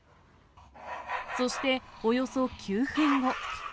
そして、およそ９分後。